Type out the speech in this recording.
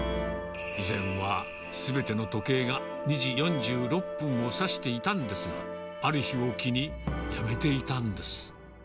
以前はすべての時計が２時４６分を指していたんですが、ある日を機に、やめていたんです。